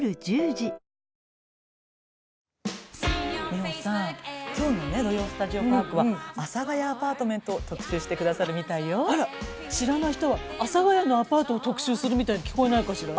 美穂さん、きょうの「土曜スタジオパーク」は「阿佐ヶ谷アパートメント」をあら、知らない人は阿佐ヶ谷のアパートを特集するみたいに聞こえないかしら？